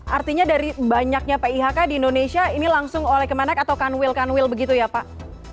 artinya dari banyaknya pihk di indonesia ini langsung oleh kemenek atau kanwil kanwil begitu ya pak